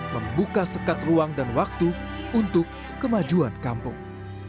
membuka sekat ruang dan waktu untuk kemajuan kampung